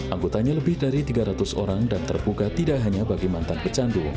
anggotanya lebih dari tiga ratus orang dan terbuka tidak hanya bagi mantan pecandu